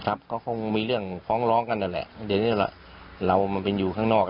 ก็คงมีเรื่องฟ้องร้องกันนั่นแหละเดี๋ยวนี้แหละเรามันเป็นอยู่ข้างนอก